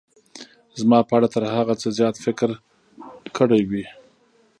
زما په اړه تر هغه څه زیات فکر کړی وي.